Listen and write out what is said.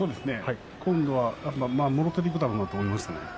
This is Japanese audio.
今度はもろ手でいくんだろうなと思いました。